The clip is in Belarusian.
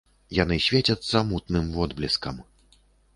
Яны свецяцца мутным водблескам.